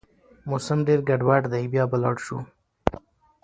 موسم ډېر ګډوډ دی، بيا به لاړ شو